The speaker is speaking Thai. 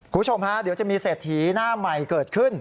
คุณผู้ชมฮะเดี๋ยวจะมีเศรษฐีหน้าใหม่เกิดขึ้น